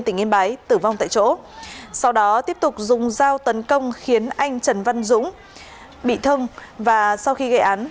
tỉnh yên bái tử vong tại chỗ sau đó tiếp tục dùng dao tấn công khiến anh trần văn dũng bị thương và sau khi gây án